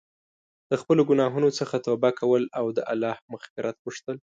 د خپلو ګناهونو څخه توبه کول او د الله مغفرت غوښتل.